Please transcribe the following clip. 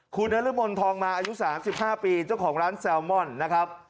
คุณนรมนทองมาอายุ๓๕ปีเจ้าของร้านแซลมอนนะครับ